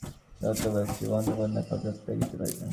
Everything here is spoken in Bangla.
শেষোক্ত ব্যক্তিই বস্তুর পুঙ্খানুপুঙ্খ রূপ দেখিতে পাইবে।